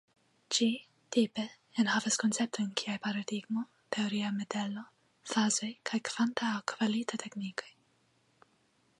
Ĝi, tipe, enhavas konceptojn kiaj paradigmo, teoria modelo, fazoj kaj kvanta aŭ kvalita teknikoj.